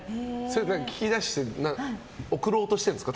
聞き出して送ろうとしてるんですか？